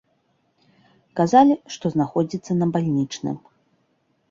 Казалі, што знаходзіцца на бальнічным.